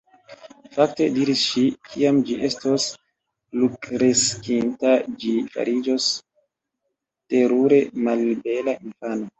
"Fakte," diris ŝi, "kiam ĝi estos plukreskinta ĝi fariĝos terure malbela infano. »